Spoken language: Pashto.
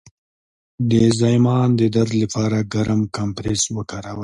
د زایمان د درد لپاره ګرم کمپرس وکاروئ